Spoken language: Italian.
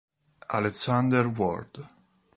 Alexander Ward